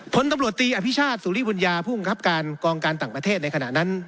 ผลตำรวจตีอภิชาติสุริบุญญาผู้บังคับการกองการต่างประเทศในขณะนั้น